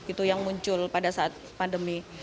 itu yang muncul pada saat pandemi